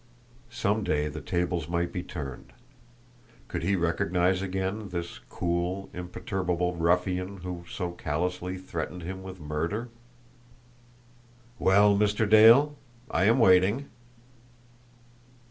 Some day the tables might be turned. Could he recognise again this cool, imperturbable ruffian who so callously threatened him with murder? "Well, Mr. Dale? I am waiting!"